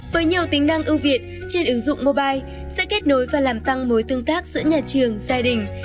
với nhiều tính năng ưu việt trên ứng dụng mobile sẽ kết nối và làm tăng mối tương tác giữa nhà trường gia đình